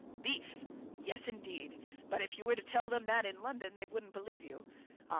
"Beef! Yes indeed; but if you were to tell them that in London they wouldn't believe you. Ah!